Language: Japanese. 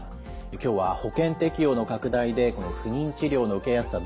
今日は保険適用の拡大でこの不妊治療の受けやすさ